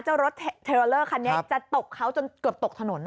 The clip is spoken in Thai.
เจ้ารถเทรอร์เลอร์คันนี้จะตกเขาจนเกิดตกถนน